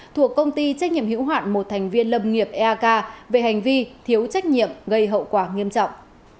thuộc công ty trách nhiệm hữu hoạn một thành viên lâm nghiệp eak về hành vi thiếu trách nhiệm gây hậu quả nghiêm trọng